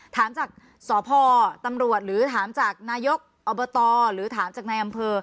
ถามจากสพตำรวจหรือถามจากนายกอบตหรือถามจากนายอำเภอ